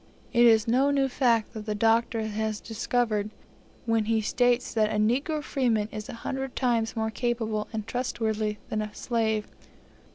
It is no new fact that the Doctor has discovered when he states that a negro freeman is a hundred times more capable and trustworthy than a slave.